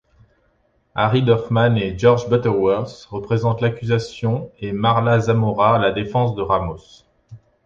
Harry Dorfman et George Butterworth représentent l'accusation et Marla Zamora la défense de Ramos.